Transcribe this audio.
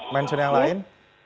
mention yang lain